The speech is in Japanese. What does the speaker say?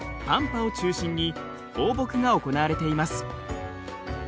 パンパを中心に放牧が行われています。